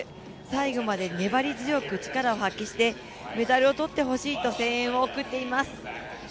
最後まで粘り強く力を発揮してメダルを取ってほしいと声援を送っています。